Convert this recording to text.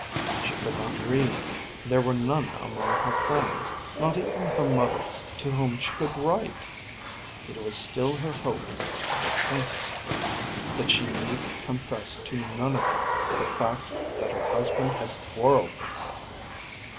She could not read. There were none among her friends, not even her mother, to whom she could write. It was still her hope, her faintest hope, that she need confess to none of them the fact that her husband had quarrelled with her.